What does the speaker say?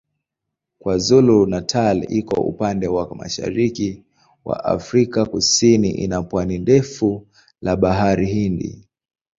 KwaZulu-Natal iko upande wa mashariki wa Afrika Kusini ina pwani ndefu la Bahari Hindi.